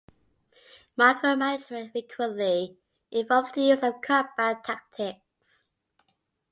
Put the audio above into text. Micromanagement frequently involves the use of combat tactics.